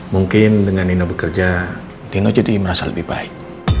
mungkin dengan nino bekerja dino jadi merasa lebih baik